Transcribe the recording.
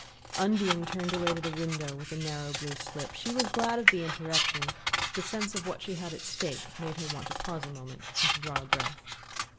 Undine turned away to the window with the narrow blue slip. She was glad of the interruption: the sense of what she had at stake made her want to pause a moment and to draw breath.